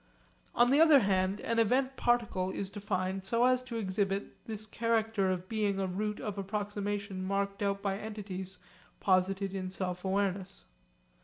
On the other hand an event particle is defined so as to exhibit this character of being a route of approximation marked out by entities posited in sense awareness.